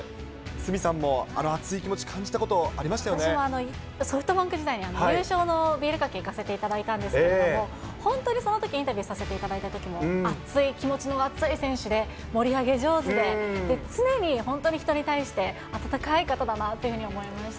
鷲見さんもあの熱い気ソフトバンク時代に、優勝のビールかけ、行かせていただいたんですけど、本当にそのとき、インタビュー、させていただいたときも、熱い気持ちの熱い選手で盛り上げ上手で、常に本当に人に対して温かい方だなというふうに思いました。